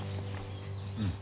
うん。